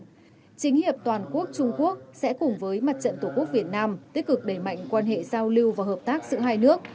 trong đó chính hiệp toàn quốc trung quốc sẽ cùng với mặt trận tổ quốc việt nam tích cực đẩy mạnh quan hệ giao lưu và hợp tác giữa hai nước